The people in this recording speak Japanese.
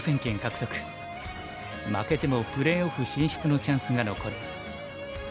負けてもプレーオフ進出のチャンスが残る。